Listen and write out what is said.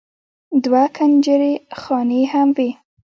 دوه کنجرې خانې هم وې.